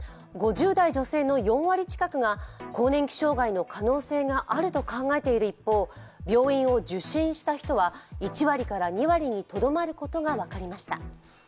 ５０代女性の４割近くが更年期障害の可能性があると考えている一方病院を受診した人は１割から２割にとどまることが分かりました。